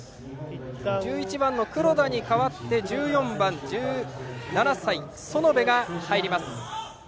１１番の黒田に代わって１４番、１７歳園部が入ります。